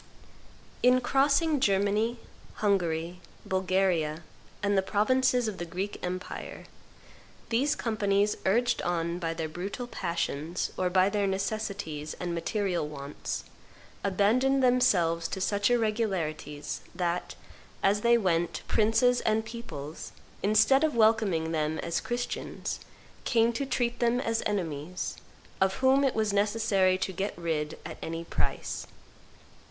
In crossing Germany, Hungary, Bulgaria, and the provinces of the Greek empire, these companies, urged on by their brutal passions or by their necessities and material wants, abandoned themselves to such irregularities that, as they went, princes and peoples, instead of welcoming them as Christians, came to treat them as enemies, of whom it was necessary to get rid at any price.